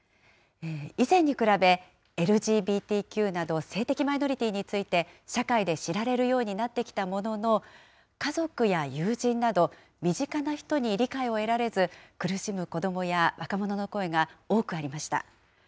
以前に比べ、ＬＢＧＴＱなど性的マイノリティーについて、社会で知られるようになってきたものの、家族や友人など、身近な人に理解を得られず、苦しむ子どもや若者の声が多くありました。